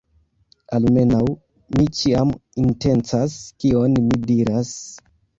Almenaŭ, mi ĉiam intencas kion mi diras.